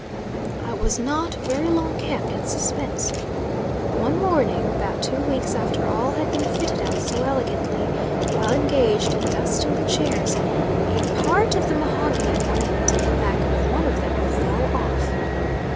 I was not very long kept in suspense. One morning, about two weeks after all had been fitted out so elegantly, while engaged in dusting the chairs, a part of the mahogany ornament in the back of one of them fell off.